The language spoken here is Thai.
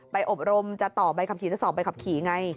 อบรมจะต่อใบขับขี่จะสอบใบขับขี่ไง